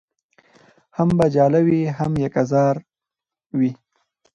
هم به جاله وي هم یکه زار وي